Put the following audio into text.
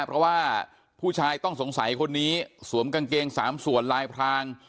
เพราะว่าผู้ชายต้องสงสัยคนนี้สวมกางเกง๓ส่วนลายพราง